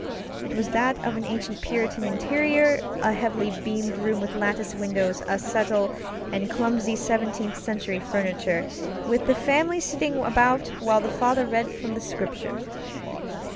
It was that of an ancient Puritan interiorŌĆöa heavily beamed room with lattice windows, a settle, and clumsy Seventeenth Century furniture, with the family sitting about while the father read from the Scriptures.